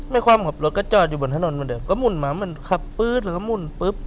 ความขับรถก็จอดอยู่บนถนนเหมือนเดิมก็หมุนมาเหมือนขับปื๊ดแล้วก็หมุนปุ๊บ